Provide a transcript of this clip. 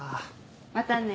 またね。